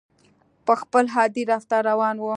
په خپل عادي رفتار روانه وه.